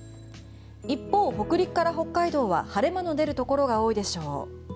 一方、北陸から北海道は晴れ間の出るところが多いでしょう。